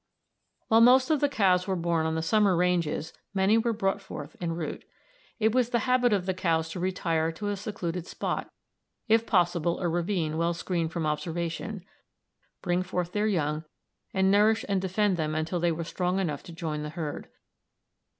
While most of the calves were born on the summer ranges, many were brought forth en route. It was the habit of the cows to retire to a secluded spot, if possible a ravine well screened from observation, bring forth their young, and nourish and defend them until they were strong enough to join the herd.